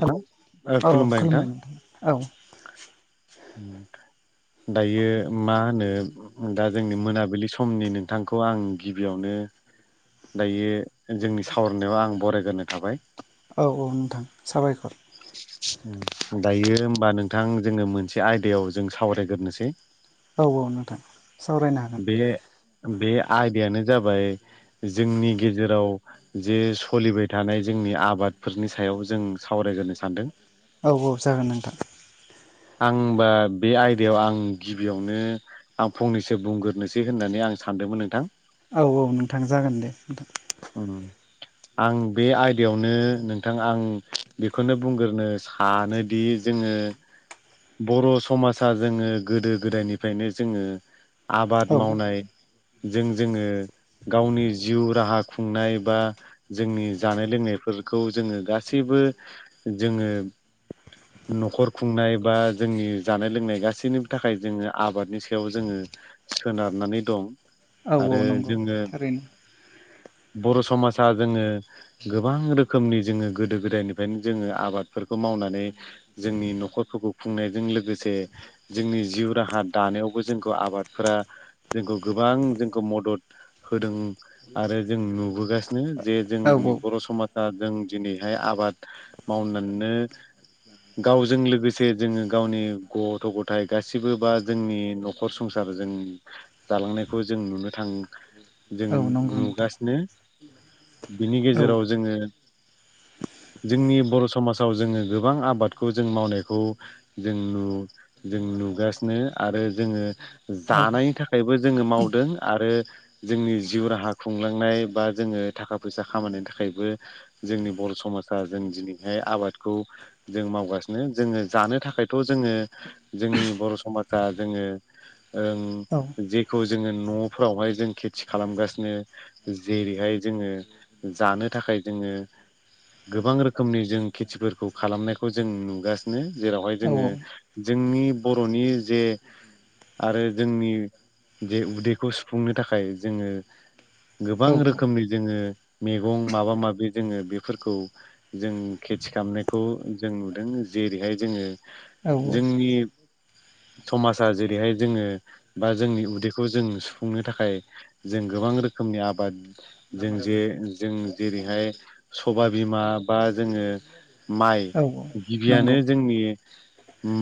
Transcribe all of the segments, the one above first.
हेल औ खुलुमबाय नोंथां। औ दायो मा होनो दा जोंनि मोनाबिलि समनि नोंथांखौ आं गिबियावनो दायो जोंनि सावरायनायाव आं बरायग्रोनो थाबाय। औ औ नोंथां साबायखर दायो होमबा नोंथां जोङो मोनसे आयदायाव जों सावरायग्रोसै। औ औ दे। बे बे आयदायानो जाबाय जोंनि गेजेराव जे सोलिबाय थानाय जोंनि आबादफोरनि सायाव जों सावरायग्रोनो सानदों। औ औ जागोन नोंथां। आंबा बे आयदायाव आं गिबियावनो आं फंनैसो बुंग्रोनोसै होननानै आं सानदोंमोन नोंथां। औ औ नोंथां जागोन दे नोंथां। उ आं बे आयदायावनो नोंथां आं बेखौनो बुंग्रोनो सा नोदि जोङो बर' समाजा जोङो गोदो गोदायनिफ्रायनो जोङो आबाद औ मावनाय जों जोङो गावनि जिउ राहा खुंनाय बा जोंनि जानाय लोंनायफोरखौ जोङो गासैबो जोङो न'खर खुंनाय बा जोंनि जानाय लोंनाय गासैनिबो थाखाय जोङो आबादनि सायाव जोङो सोनारनानै दं औ औ आरो नंगौ जोङो थारैनो बर' समाजा जोङो गोबां रोखोमनि जोङो गोदो-गोदायनिफ्रायनो जोङो आबादफोरखौ मावनानै जोंनि न'खरफोरखौ खुंनायजों लोगोसे जोंनि जिउ राहा दानायावबो जोंखौ आबादफोरा जोंखौ गोबां जोंखौ मदद होदों आरो जों नुबोगासिनो जे औ जोंनि बर' समाज दा जों दिनैहाय आबाद मावनानैनो गावजों लोगोसे जोङो गावनि गथ' गथाय गासिबो बा जोंनि न' न'खर संसार जों जालांनायखौ जों नुनो थाङो। जों औ नंगौ नोंथां नुगासिनो बिनि औ गेजेराव जोङो जोंनि बर' समाजाव जोङो गोबां आबादखौ जों मावनायखौ जों नु जों नुगासिनो आरो जोङो औ जानायनि थाखायबो जोङो मावदों आरो जोंनि जिउ राहा खुं लांनाय बा जोङो थाखा फैसा खामानिनि थाखायबो जोंनि बर' समाजा जों दिनैहाय आबादखौ जों मावगासिनो जोङो जानो थाखायथ' जोङो जोंनि बर' समाजा जोङो ओं औ जेखौ जोङो न'फोरावहाय जों खेथि खालामगासिनो जेरैहाय जोङो जानो थाखाय जोङो गोबां रोखोमनि जों खेथिफोरखौ खालामनायखौ जों नुगासिनो जेरावहाय औ जोङो जोंनि बर'नि जे आरो जोंनि जे उदैखौ सुफुंनो थाखाय जोङो औ गोबां रोखोमनि जोङो मैगं माबा माबि जोङो बेफोरखौ जों खेथि खालामनायखौ जों नुदों जेरैहाय जोङो औ जोंनि समाजा जेरैहाय जोङो बा जोंनि उदैखौ जों सुफुंनो थाखाय जों गोबां रोखोमनि आबाद जों जे जों जेरैहाय सभाय बिमा बा जोङो माइ औ गिबियानो नंगौ जोंनि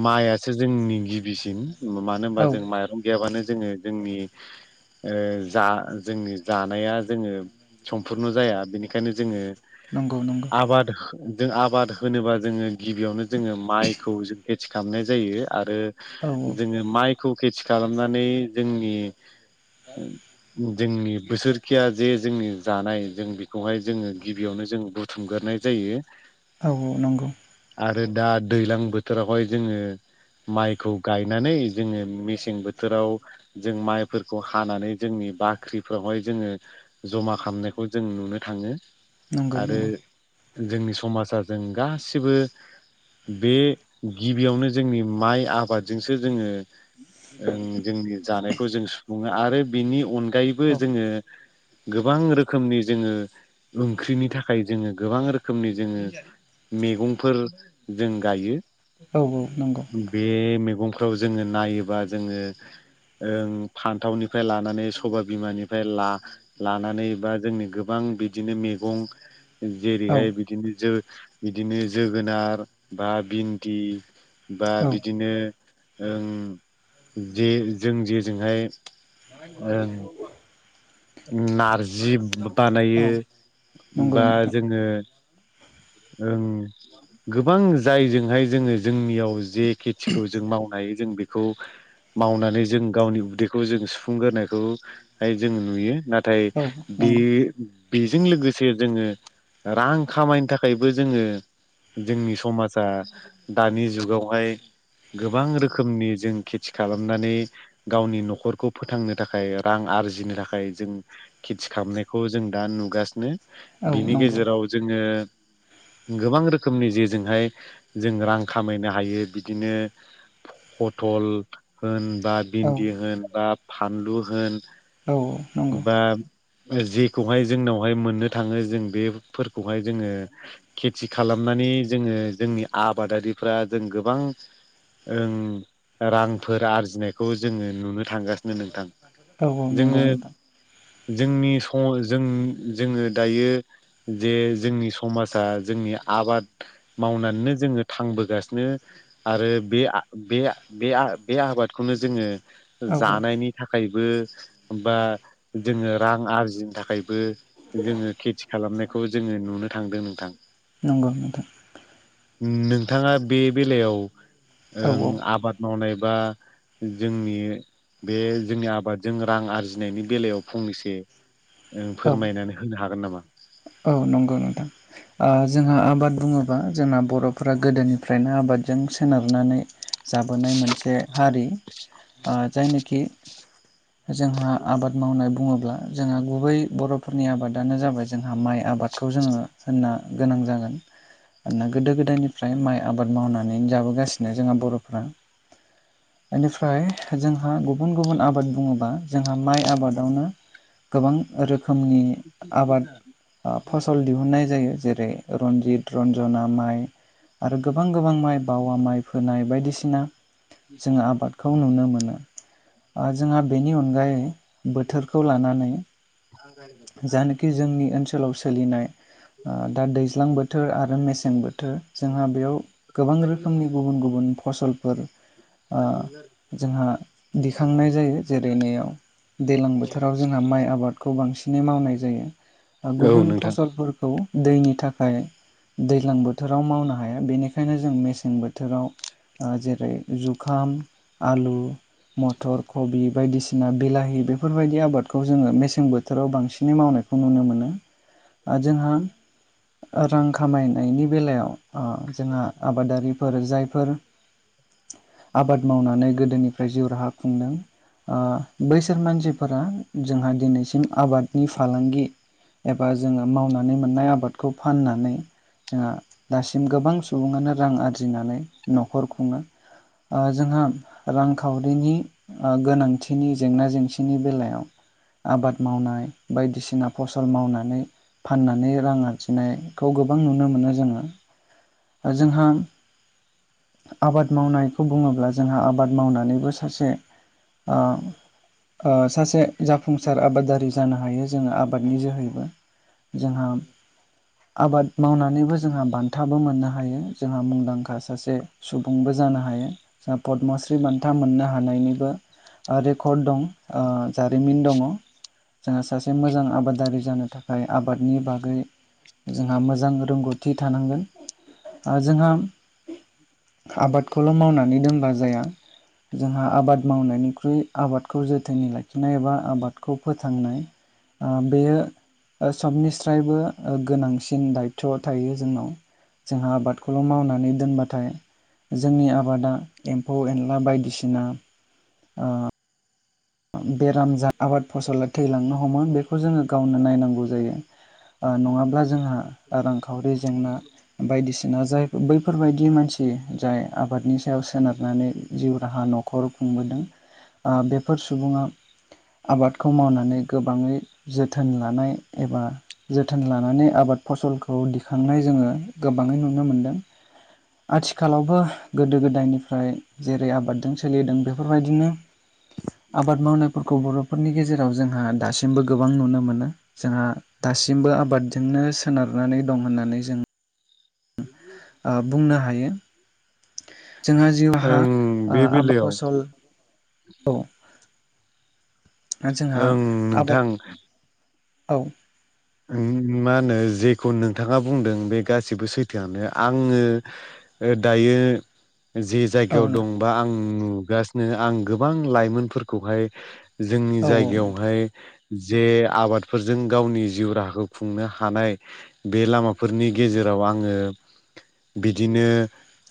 माइआसो जोंनि गिबिसिन मानो होनबा औ जों माइरं गैयाबानो जोङो जोंनि ओ जा जोंनि जानाया जोङो समपुरन जाया बेनिखायनो जोङो नंगौ नंगौ। आबाद जों आबाद होनोबा जोङो गिबियावनो जोङो माइखौ ज खेथि खालामनाय जायो आरो औ जोङो माइखौ खेथि खालामनानै जोंनि जोंनि बोसोरखिया जे जोंनि जानाय जों बेखौहाय जोङो गिबियावनो जों बुथुमग्रोनाय जायो। [inaudible] औ औ नंगौ। आरो दा दैलां बोथोरावहाय जोङो माइखौ गायनानै जोङो मेसें बोथोराव जों माइफोरखौ हानानै जोंनि बाख्रि फोरावहाय जोङो जमा खालामनायखौ जों नुनो थाङो। नंगौ आरो नंगौ जोंनि समाजा जों गासिबो बे गिबियावनो जोंनि माइ आबादजोंसो जोंङो ओं जोंनि जानायखौ जों सुफुंङो आरो बिनि अनगायैबो औ जोंङो गोबां रोखोमनि जोंङो ओंख्रिनि थाखाय जोंङो गोबां रोखोमनि जोंङो मेगंफोर जों गायो। औ नंगौ बे मैगंफ्राव जोंङो नायोबा जोंङो ओं फान्थावनिफ्राय लानानै सबा बिमानि फ्राय ला लानानै बा जोंनि गोबां बिदिनो मैगं औ जेरैहाय बिदिनो जो बिदिनो जोगोनार बा भिन्दि बा औ बिदिनो ओं जे जों जेजोंहाय ओं नारजि औ बानायो नंगौ बा नोंथां जोंङो ओं गोबां जायजोंहाय जोंङो जोंनियाव जे खेथिखौ जों मावनो हायो जों बेखौ मावनानै जों गावनि उदैखौ जों सुफुंग्रोनायखौ फाय जोंङो नुयो नाथाय औ बे नंगौ बेजों लोगोसे जोंङो रां खामायनो थाख फ्रायबो जोंङो जोंनि समाजा दानि जुगावहाय गोबां रोखोमनि जों खेथि खालामनानै गावनि न'खरखौ फोथांनो थाखाय रां आरजिनो थाखाय जों खेथि खालामनायखौ जों दा नुगासिनो औ बिनि नंगौ गेजेराव जोंङो गोबां रोखोमनि जेजोंहाय जों रां खामायनो हायो बिदिनो फथल होन बा औ भिन्दि होन बा फानलु होन औ औ नंगौ बा जेखौहाय जोंनावहाय मोननो थांङो जों बेफोरखौहाय जोंङो खेथि खालामनानै जोंङो जोंनि आबादारिफ्रा जों गोबां ओं रांफोर आरजिनायखौ जोंङो नुनो थांगासिनो नोंथां। औ नंगौ जोंङो नोंथां जोंनि जों जोंङो दायो जे जोंनि समाजा जोंनि आबाद मावनानैनो जोंङो थांबोगासिनो। आरो बे आ बे आ आबादखौनो जोंङो औ जानायनि थाखायबो बा जोंङो रां आरजिनो थाखायबो जोंङो खेथि खालामनायखौबो जोंङो नुनो थांदों नोंथां। नंगौ नोंथां। उम नोंथांङा बे बेलायाव औ ओं औ आबाद मावनाय बा जोंनि बे जोंनि आबादजों रां आरजिनायनि बेलायाव फंनैसो ओ औ फोरमायनानै होनो हागोन नामा? औ नंगौ नोंथां। ओ जोंहा आबाद बुंङोबा जोंना बर'फोरा गोदोनिफ्रायनो आबादजों सोनारनानै जाबोनाय मोनसे हारि ओ जायनोखि जोंहा आबाद मावनाय बुंङोब्ला जोंहा गुबै बर'फोरनि आबादानो जाबाय जोंहा माइ आबादखौ जोंङो होननो गोनां जागोन। ओना गोदो गोदायनिफ्राय माइ आबाद मावनानै जाबोगासिनो जोंहा बर'फ्रा एनिफ्राय जोंहा गुबुन गुबुन आबाद बुंङोबा जोंहा माइ आबादावनो गोबां रोखोमनि आबाद ओ फसल दिहुनन्नाय जायो जेरै रन्जित रन्जना माइ आरो गोबां गोबां माइ बावा माइ फोनाय बायदिसिना जोंङो आबाद खौ नुनो मोनो ओ जोंहा बेनि अनगायै बोथोरखौ लानानै जानेखि जोंनि ओनसोलाव सोलिनाय ओ दा दैज्लां बोथोर आरो मेसें बोथोर जोंहा बेयाव गोबां रोखोमनि गुबुन गुबुन फसलफोर ओ जोंहा दिखांनाय जायो जेरै गेनायाव दैलां बोथोराव जोंहा माइ आबादखौ बांसिनै मावनाय जायो। ओ औ गुबुन नोंथां फसलफोरखौ दैनि थाखाय दैज्लां बोथोराव मावनो हाया बेनिखायनो जों मेसें बोथोराव ओ जेरै जुखाम आलु मथर कबि बायदिसिना बिलाहि बेफोरबायदि आबादखौ जोङो मेसें बो थोराव बांसिनै मावनायखौ नुनो मोनो आर जोंहा रां खामायनायनि बेलायाव ओ जोंहा आबादारिफोर जायफोर आबाद मावनानै गोदोनिफ्राय जिउ राहा खुंदों। ओ बैसोर मानसिफोरा जोंहा दिनैसिम आबादनि फालांगि एबा जोङो मावनानै मोननाय आबादखौ फाननानै जोंहा दासिम गोबां सुबुङानो रां आरजिनानै न'खर खुङो। ओ जोंहा रांखावरिनि ओ गोनांथिनि जेंना जेंसिनि बेलायाव आबाद मावनाय बायदिसिना फसल मावनानै फाननानै रां आरजिनायखौ गोबां नुनो मोनो जोङो। ओ जोंहा आबाद मावनायखौ बुङोब्ला जोंहा आबाद मावनानैबो सासे ओ ओ सासे जाफुंसार आबाद दारि जानो हायो जोङो आबादनि जोहैबो जोंहा आबाद मावनानैबो जोंहा बान्थाबो मोननो हायो जोंहा मुंदांखा सासे सुबुंबो जानो हायो जों पद्मश्रि बान्था मोननो हानायनिबो। ओ रेकर्ड दं ओ जारिमिन दङ। जोंहा सासे मोजां आबादारि जानो थाखाय आबादनि बागै जोंहा मोजां रोंगौथि थानांगोन ओ जोंहा आबादखौल' मावनानै दोनबा जाया। जोंहा आबाद मावनायनिख्रुइ आबादखौ जोथोनै लाखिनाय एबा आबादखौ फोथांनाय ओ बेयो ओ सबनिस्रायबो ओ गोनांसि हिन दायथ' थायो जोंनाव जोंहा आबादखौल' मावनानै दोनबाथाय जोंनि आबादा एम्फौ एनला बायदिसिना ओ ओम बेराम जा आबाद फसला थैलांनो हमो बेखौ जोङो गावनो नायनांगौ जायो ओ नङाब्ला जोंहा रांखावरि जेंना बायदिसिना जाय बैफोरबायदि मानसि जाय आबादनि सायाव सोनारनानै जिउ राहा न'खर खुंबोदों ओ बेफोर सुबुङा आबादखौ मावनानै गोबाङै जोथोन लानाय एबा जोथोन लानानै आबाद फसलखौ दिखांनाय जोङो गोबाङै नुनो मोनदों। आथिखालावबो गोदो गोदायनिफ्राय जेरै आबादजों सोलिदों बेफोरबायदिनो आबाद मावनायफोरखौ बर'फोरनि गेजेराव जोंहा दासिमबो गोबां नुनो मोनो। जोंहा दासिमबो आबादजोंनो सोनारनानै दं होननानै जों [inaudible] ओ बुंनो हायो। जोंहा जिउहा ओं ओ बे आबाद बेलायाव फसलखौ [inaudible] जोंहा ओं आबाद नोंथां औ उम मा होनो जेखौ नोंथाङा बुंदों बे गासिबो सैथोआनो आङो ओ दायो जि औ जायगायाव दंबा आं नुगासिनो आं गोबां लाइमोनफोरखौहाय जोंनि औ जायगायावहाय जे आबादफोरजों गावनि जिउ राहाखौ खुंनो हानाय बे लामाफोरनि गेजेराव आङो बिदिनो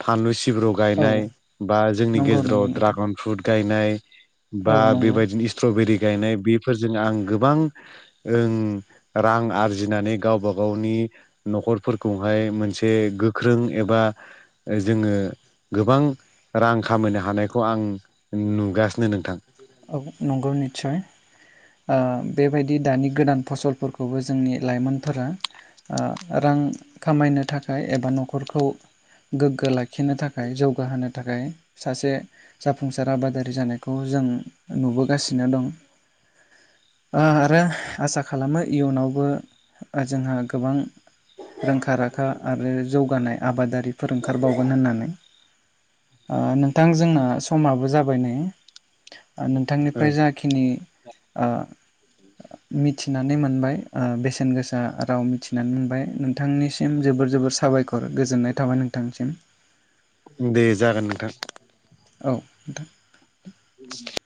फानलु सिब्र औ गायनाय बा जोंनि नंगौ गेजेराव नंगौ नोंथां ड्रागन फ्रुथ गायनाय औ बा नंगौ बेबादिनो स्ट्रबेरि गायनाय बेफोरजों आं गोबां ओ रां आरजिनानै गावबा गावनि न'खरफोरखौहाय मोनसे गोख्रों एबा जोङो गोबां रां खामायनो हानायखौ आं नुगासिनो नोंथां नंगौ निस्सय बेबायदि दानि गोदान फसलफोरखौबो जोंनि लाइमोनफोरा रां खामायनो थाखाय एबा न'खरखौ गोग्गो लाखिनो थाखाय जौगाहोनो थाखाय सासे जाफुंसार आबादारि जानायखौ जों नुबोगासिनो दं ओ आरो आसा खालामो इयुनावबो जोंहा गोबां रोंखा राखा आरो जौगानाय आबादारिफोर ओंखारबावगोन होननानै नोंथां जोंना समाबो जाबाय नै आं नोंथांनिफ्राय जाखिनि ओ [inaudible] मिथिनानै मोनबाय। ओ बेसेन गोसा राव मिथिनानै मोनबाय। नोंथांनिसिम जोबोर जोबोर साबायखर गोजोननाय थाबाय नोंथांसिम दे जागोन नोंथां औ [inaudible]